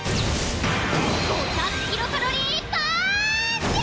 ５００キロカロリーパーンチ！